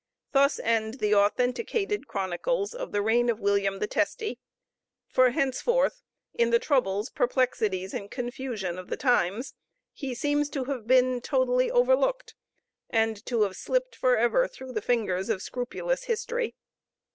Thus end the authenticated chronicles of the reign of William the Testy, for henceforth, in the troubles, perplexities, and confusion of the times, he seems to have been totally overlooked, and to have slipped for ever through the fingers of scrupulous history.